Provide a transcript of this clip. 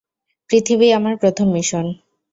পৃথিবী আমার প্রথম মিশন।